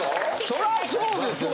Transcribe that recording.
そらそうですよ。